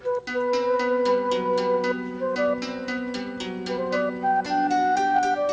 kedua bagaimana cara kita memperbaiki masyarakat ini